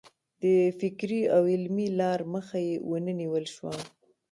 د فکري او علمي لار مخه یې ونه نیول شوه.